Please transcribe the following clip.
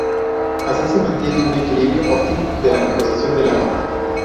Así, se mantiene un equilibrio óptimo de la composición del agua.